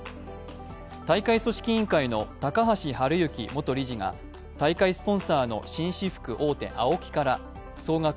大会組織委員会の高橋治之元理事が大会スポンサーの紳士服大手ＡＯＫＩから総額